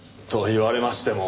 言われましても。